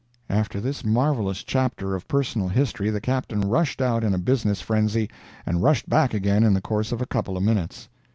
[After this marvellous chapter of personal history the Captain rushed out in a business frenzy, and rushed back again in the course of a couple of minutes.